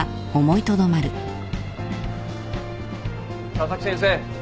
・佐々木先生